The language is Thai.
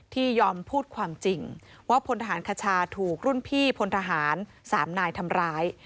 ยอมพูดความจริงว่าพลทหารคชาถูกรุ่นพี่พลทหาร๓นายทำร้าย